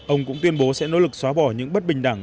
ông cũng tuyên bố sẽ nỗ lực xóa bỏ những bất bình đẳng